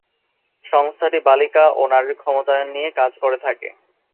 সংস্থাটি বালিকা ও নারীর ক্ষমতায়ন নিয়ে কাজ করে থাকে।